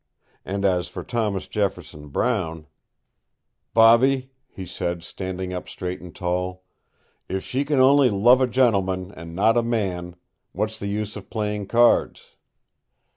And as for Thomas Jefferson Brown "Bobby," he said, standing up straight and tall, "if she can only love a gentleman, and not a man, what's the use of playing cards?"